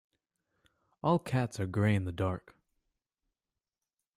All cats are grey in the dark.